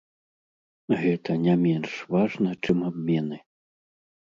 Гэта не менш важна, чым абмены.